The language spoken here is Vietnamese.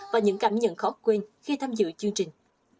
và những cảm nhận khó quên khi tham dự chương trình